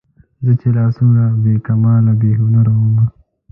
چې زه لا څومره بې کماله بې هنره ومه